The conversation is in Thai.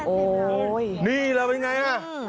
โอ้โหนี่เราเป็นไงอ่ะ